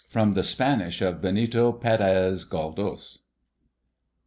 From the Spanish of BENITO PÉREZ GALDÓS.